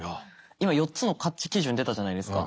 今４つの基準出たじゃないですか。